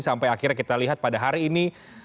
sampai akhirnya kita lihat pada hari ini